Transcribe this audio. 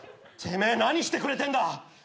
てめえ何してくれてんだ。